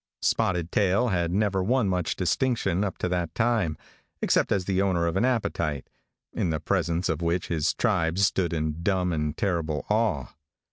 Spotted Tail had never won much distinction up to that time, except as the owner of an appetite, in the presence of which his tribe stood in dumb and terrible awe.